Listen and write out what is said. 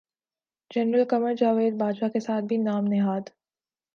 general Qamar Javed Bajwa کے ساتھ بھی نام نہاد